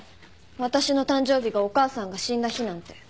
私の誕生日がお母さんが死んだ日なんて。